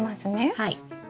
はい。